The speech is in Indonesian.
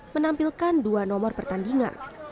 menampilkan dua nomor pertandingan